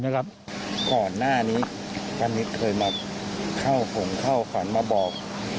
นะครับก่อนหน้านี้ก็คือมาเข้าของเขาขนมาบอก